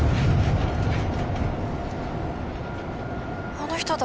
あの人だ